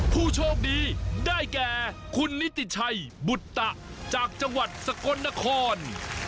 ผู้โชคดีได้แก่คุณนิติชัยบุตตะจากจังหวัดสกลนคร